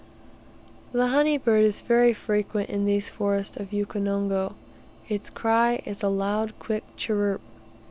The honey bird is very frequent in these forests of Ukonongo. Its cry is a loud, quick chirrup.